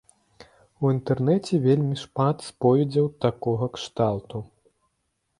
У інтэрнэце вельмі шмат споведзяў такога кшталту.